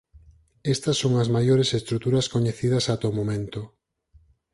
Estas son as maiores estruturas coñecidas ata o momento.